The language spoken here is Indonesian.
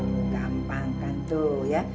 tuh gampang kan tuh ya